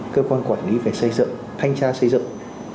cơ quan quản lý phải xây dựng thanh tra xây dựng